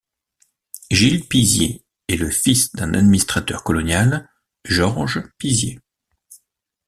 Gilles Pisier est le fils d'un administrateur colonial, Georges Pisier.